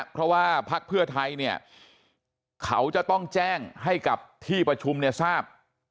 เพราะว่าพักเพื่อไทยเนี่ยเขาจะต้องแจ้งให้กับที่ประชุมเนี่ยทราบ